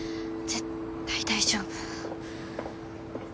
絶対大丈夫。